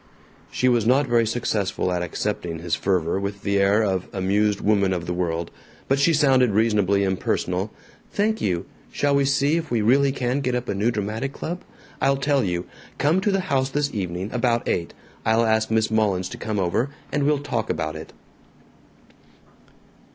She was not very successful at accepting his fervor with the air of amused woman of the world, but she sounded reasonably impersonal: "Thank you. Shall we see if we really can get up a new dramatic club? I'll tell you: Come to the house this evening, about eight. I'll ask Miss Mullins to come over, and we'll talk about it."